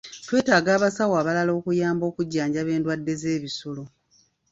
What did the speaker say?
Twetaaga abasawo abalala okuyamba okujjanjaba endwadde z'ebisolo.